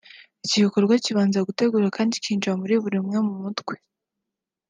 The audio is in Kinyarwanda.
iki gikorwa kibanza gutegurwa kandi kikinjira muri buri umwe mu mutwe